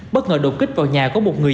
bất ngờ đột kích vào nhà của một người